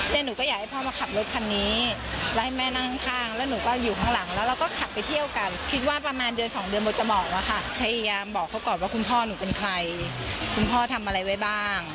ก็อยากให้พ่อมาขับรถคันนี้ด้วยให้แม่มานั่งข้าง